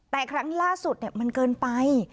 แต่ครั้งล่าสุดมันเกินไป